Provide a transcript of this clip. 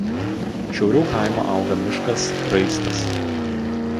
Šiauriau kaimo auga miškas Raistas.